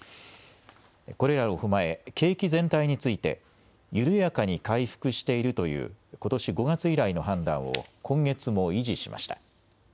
これらを踏まえ景気全体について緩やかに回復しているということし５月以来の判断を今月も維持しました。